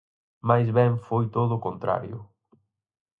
Máis ben foi todo o contrario.